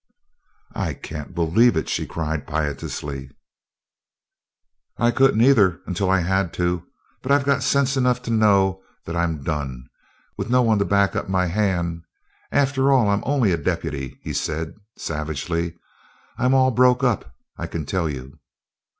"I can't believe it!" she cried piteously. "I couldn't either, until I had to. But I've got sense enough to know that I'm done, with nobody to back up my hand. After all, I'm only a deputy," he said savagely. "I'm all broke up, I can tell you!"